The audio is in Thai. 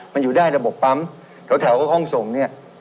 มันอยู่ในระบบปั๊มแล้วแถวก็ห้องส่งเนี่ย